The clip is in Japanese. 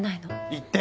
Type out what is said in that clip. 言って。